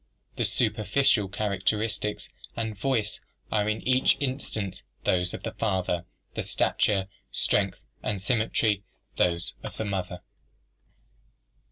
The superficial characteristics and voice are in each instance those of the father, the stature, strength and symmetry those of the mother.